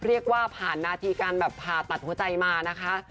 เรียกว่าผ่านนาทีการแบบผ่าตัดหัวใจมานะคะ